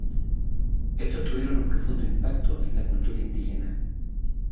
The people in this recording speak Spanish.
Estos tuvieron un profundo impacto en la cultura indígena.